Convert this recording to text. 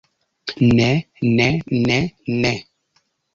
Ne ne ne ne.